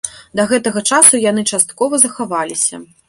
Да гэтага часу яны часткова захаваліся.